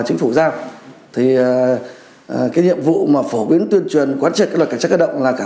chính phủ giao thì cái nhiệm vụ mà phổ biến tuyên truyền quán triệt luật cảnh sát cơ động là cả